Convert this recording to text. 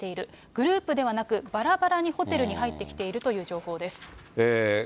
グループではなく、ばらばらにホテルに入ってきているという情報です。